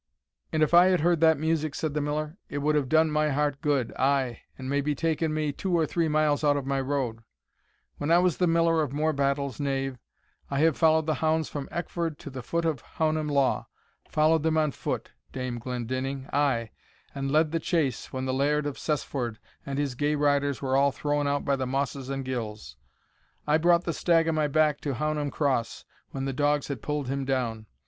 "And if I had heard that music," said the Miller, "it would have done my heart good, ay, and may be taken me two or three miles out of my road. When I was the Miller of Morebattle's knave, I have followed the hounds from Eckford to the foot of Hounam law followed them on foot, Dame Glendinning, ay, and led the chase when the Laird of Cessford and his gay riders were all thrown out by the mosses and gills. I brought the stag on my back to Hounam Cross, when the dogs had pulled him down.